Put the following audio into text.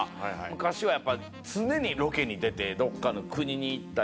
昔はやっぱ常にロケに出てどっかの国に行ったり。